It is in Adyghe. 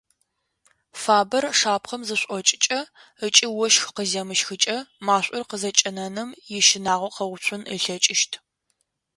Фабэр шапхъэм зышӏокӏыкӏэ ыкӏи ощх къыземыщхыкӏэ машӏор къызэкӏэнэным ищынагъо къэуцун ылъэкӏыщт.